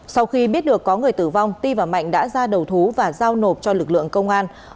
sau khi biết được có người tử vong ti và mạnh đã ra đầu thú và giao nộp cho lực lượng công an